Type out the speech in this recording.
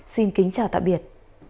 xin kính chào tạm biệt